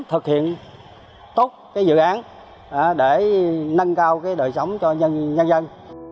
thực hiện tốt cái dự án để nâng cao cái đời sống cho nhân dân